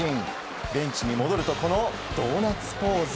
ベンチに戻るとこのドーナツポーズ。